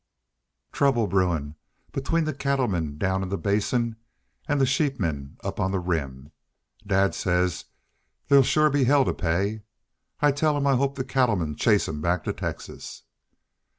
"Trouble brewin' between the cattlemen down in the Basin an' the sheepmen up on the Rim. Dad says there'll shore be hell to pay. I tell him I hope the cattlemen chase him back to Texas."